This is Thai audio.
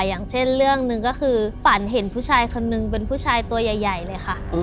อย่างเช่นเรื่องหนึ่งก็คือฝันเห็นผู้ชายคนนึงเป็นผู้ชายตัวใหญ่เลยค่ะ